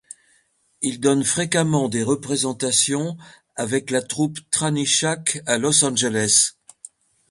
Il donne fréquemment des représentations avec la troupe Trannyshack à Los Angeles.